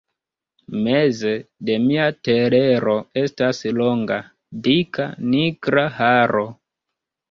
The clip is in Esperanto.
Meze de mia telero estas longa, dika, nigra haro!